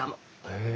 へえ。